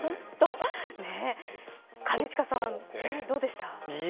兼近さん、どうでした。